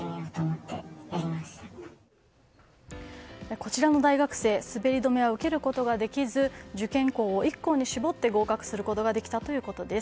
こちらの大学生滑り止めは受けることができず受験校を１校に絞って合格することができたということです。